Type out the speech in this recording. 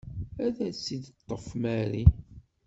Ad tt-id-taf Mary.